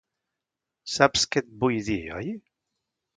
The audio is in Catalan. Saps què et vull dir, oi?